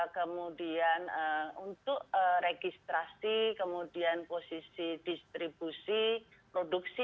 kemudian untuk registrasi kemudian posisi distribusi produksi